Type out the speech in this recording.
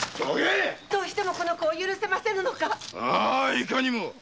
いかにも。